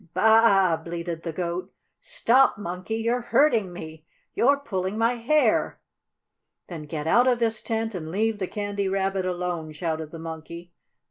"Baa a a a a!" bleated the Goat. "Stop, Monkey! You're hurting me! You're pulling my hair!" "Then get out of this tent and leave the Candy Rabbit alone!" shouted the Monkey.